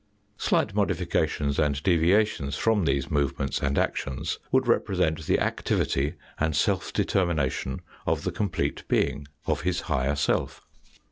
Slight modifications and deviations from these move ments and actions would represent the activity and self determination of the complete being, of his higher self.